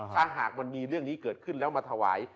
ถ้าหากมันมีเรื่องนี้เกิดขึ้นแล้วมาถวาย